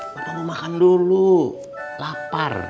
pertama mau makan dulu lapar